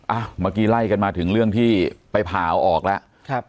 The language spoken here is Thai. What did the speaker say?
อ้าวเมื่อกี้ไล่กันมาถึงเรื่องที่ไปผ่าออกแล้วครับ